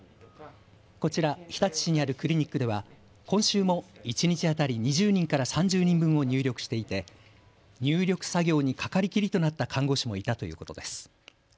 こちら日立市にあるクリニックでは今週も一日当たり２０人から３０人分を入力していて入力作業にかかりきりとなった看護師もいたということです。